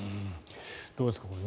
どうですか。